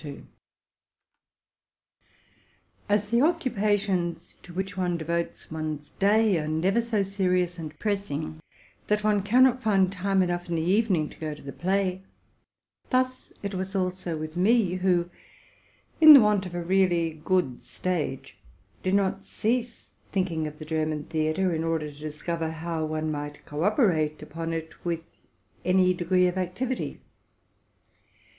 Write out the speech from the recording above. As the occupations to which one devotes his day are never so serious and pressing that he cannot find time enough in the evening to go to the play ; so it was with me, who, in the want of a really good stage, did not cease thinking of the German theatre, in order to discover how one might co ope rate upon it with any degree of activity.